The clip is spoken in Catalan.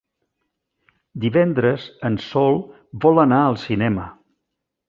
Divendres en Sol vol anar al cinema.